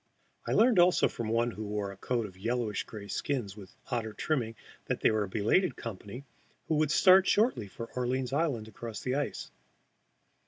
I learned also from one who wore a coat of yellowish gray skins with otter trimmings that they were a belated company, who would start shortly for Orleans Island across the ice.